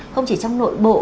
không chỉ trong nội bộ